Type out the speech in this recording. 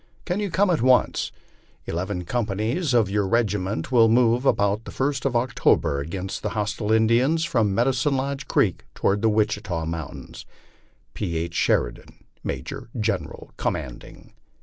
Can you come at once ? Eleven compa nies of your regiment will move about the 1st of October against the hostile Indians, from Medi cine Lodge creek toward the Wichita mountains. (Signed) P. H. SHERIDAN, Major General Commanding.